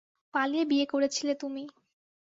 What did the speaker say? পালিয়ে বিয়ে করেছিলে তুমি।